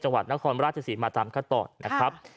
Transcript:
จังหวัดนครราชสินมาทำค่ะต่อ